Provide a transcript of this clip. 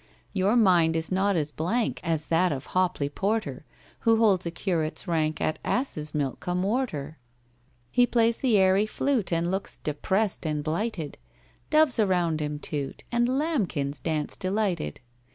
"Your mind is not as blank As that of HOPLEY PORTER, Who holds a curate's rank At Assesmilk cum Worter. "He plays the airy flute, And looks depressed and blighted, Doves round about him 'toot,' And lambkins dance delighted.